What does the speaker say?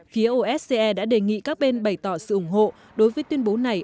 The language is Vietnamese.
phía osce đã đề nghị các bên bày tỏ sự ủng hộ đối với tuyên bố này